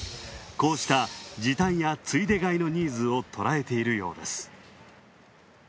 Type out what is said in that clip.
こうした時短や、ついで買いのニーズを捉えているようです。